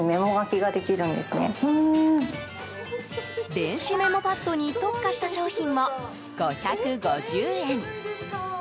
電子メモパッドに特化した商品も５５０円。